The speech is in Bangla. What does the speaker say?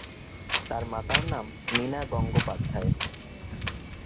তাঁর মাতার নাম মীনা গঙ্গোপাধ্যায়।